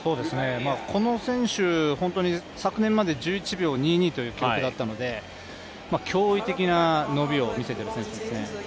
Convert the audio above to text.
この選手、本当に昨年まで１１秒２２という記録だったので驚異的な伸びを見せている選手ですね。